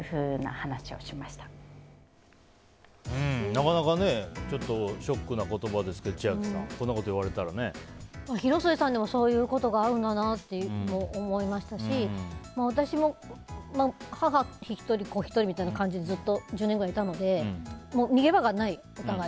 なかなかショックな言葉ですけど、千秋さん広末さんでもそういうことがあるんだなと思いましたし私も母１人子１人みたいな感じでずっと１０年ぐらいいたので逃げ場がない、お互い。